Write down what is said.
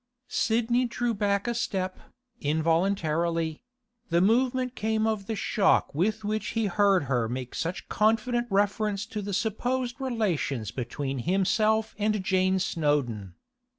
Sidney drew back a step, involuntarily; the movement came of the shock with which he heard her make such confident reference to the supposed relations between himself and Jane Snowdon.